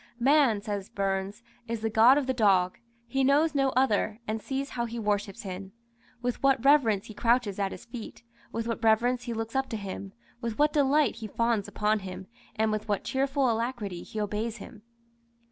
"Man," says Burns, "is the God of the dog; he knows no other; and see how he worships him! With what reverence he crouches at his feet, with what reverence he looks up to him, with what delight he fawns upon him, and with what cheerful alacrity he obeys him!"